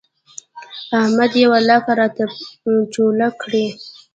احمد يې ولاکه راته چوله کړي.